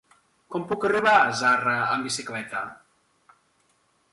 Com puc arribar a Zarra amb bicicleta?